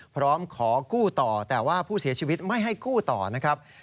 พร้อมขอกู้ต่อแต่ว่าผู้เสียชีวิตไม่ให้กู้ต่อนะครับ